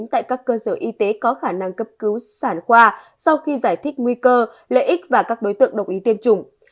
tại các cơ sở y tế có khả năng cấp cứu sản khoa sau khi giải thích nguy cơ lợi ích và các đối tượng đồng ý tiêm chủng